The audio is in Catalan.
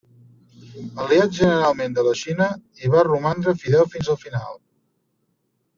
Aliat generalment de la Xina, hi va romandre fidel fins al final.